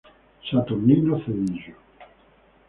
Saturnino Cedillo.